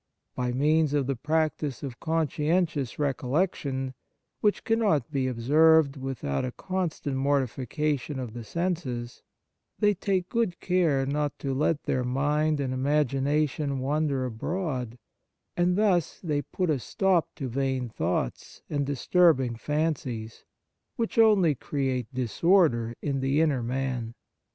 By means of the practice of conscientious recollection, which cannot be ob served without a constant mortifica tion of the senses, they take good care not to let their mind and imagi nation wander abroad, and thus they put a stop to vain thoughts and dis turbing fancies, which only create disorder in the inner man.